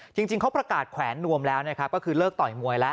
จริงเขาประกาศแขวนนวมแล้วนะครับก็คือเลิกต่อยมวยแล้ว